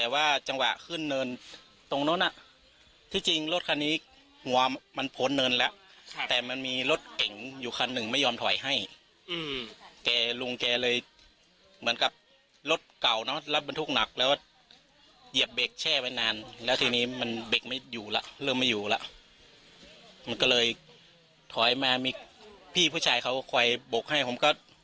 มันเคริงปั๊ะมันไม่อยู่เริ่มไม่อยู่แล้วคุณก็เลยถอยมามีพี่ผู้ชายเขาค่อยโบกให้ผมก็